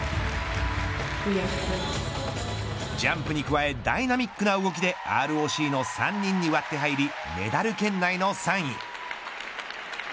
ジャンプに加えダイナミックな動きでＲＯＣの３人に割って入りメダル圏内の３位。